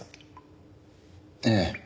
ええ。